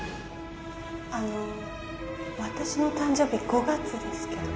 あの私の誕生日５月ですけど。